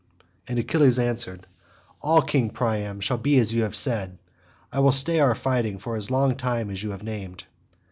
And Achilles answered, "All, King Priam, shall be as you have said. I will stay our fighting for as long a time as you have named."